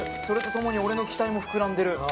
それとともに俺の期待も膨らんでる。